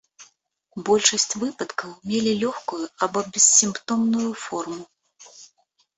Большасць выпадкаў мелі лёгкую або бессімптомную форму.